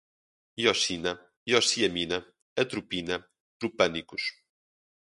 hioscina, hiosciamina, atropina, tropânicos